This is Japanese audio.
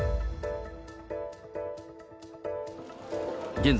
現在、